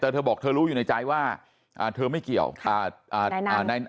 แต่เธอบอกเธอรู้อยู่ในใจว่าอ่าเธอไม่เกี่ยวอ่าใน